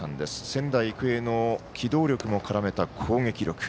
仙台育英の機動力も絡めた攻撃力。